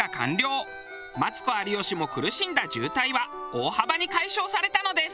マツコ有吉も苦しんだ渋滞は大幅に解消されたのです。